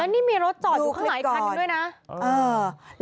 แล้วนี่มีรถจอดอยู่ข้างหลายอีกครั้งหนึ่งด้วยนะดูคลิปก่อน